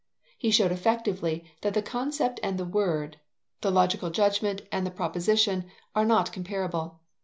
He showed effectively that the concept and the word, the logical judgment and the proposition, are not comparable.